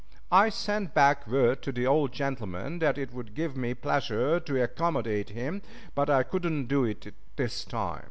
I sent back word to the old gentleman that it would give me pleasure to accommodate him, but I could not do it this time.